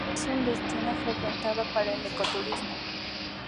Es un destino frecuentado para el ecoturismo.